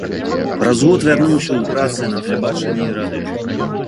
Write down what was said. Праз год вярнуўся ў працы на тэлебачанні і радыё.